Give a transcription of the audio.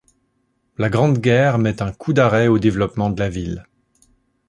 La Grande Guerre met un coup d’arrêt au développement de la ville.